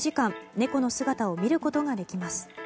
猫の姿を見ることができます。